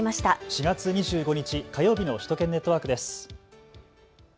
４月２５日、火曜日の首都圏ネットワークです。